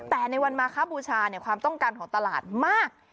แต่ในวันมาคบูชาความต้องการของตลาดมาก